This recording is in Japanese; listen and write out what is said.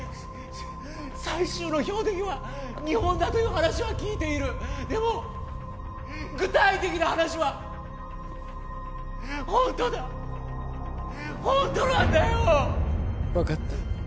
最終の標的は日本だという話は聞いているでも具体的な話はホントだホントなんだよー分かった